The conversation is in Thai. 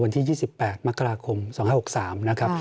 วันที่๒๘มกราคม๒๕๖๓นะครับ